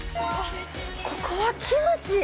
ここはキムチ。